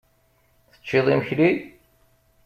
Teččiḍ imekli?